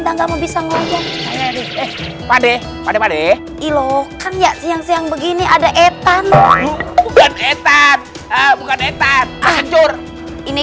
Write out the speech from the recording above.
lama bisa ngomong pade pade ilokan ya siang siang begini ada etan bukan etan bukan etan kejur ini